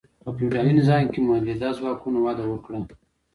په فیوډالي نظام کې مؤلده ځواکونه وده وکړه.